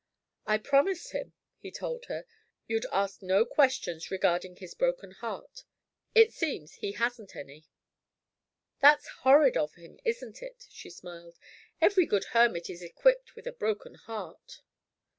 "I promised him," he told her, "you'd ask no questions regarding his broken heart. It seems he hasn't any." "That's horrid of him, isn't it?" she smiled. "Every good hermit is equipped with a broken heart.